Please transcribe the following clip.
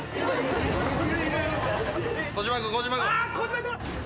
あ小島君！